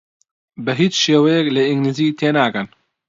بە هیچ شێوەیەک لە ئینگلیزی تێناگەن.